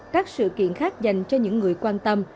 các sự kiện khác dành cho những người quan tâm